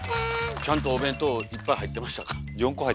ちゃんとお弁当いっぱい入ってましたか？